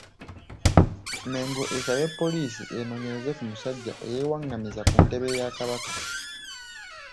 Mmengo esabye poliisi enoonyereze ku musajja eyeewaղղamizza ku ntebe ya Kabaka.